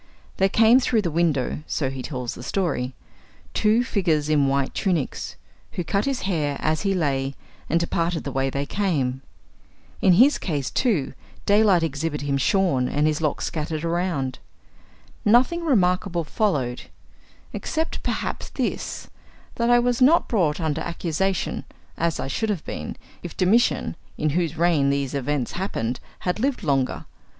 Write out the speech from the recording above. There came through the windows (so he tells the story) two figures in white tunics, who cut his hair as he lay, and departed the way they came. In his case, too, daylight exhibited him shorn, and his locks scattered around. Nothing remarkable followed, except, perhaps, this, that I was not brought under accusation, as I should have been, if Domitian (in whose reign these events happened) had lived longer.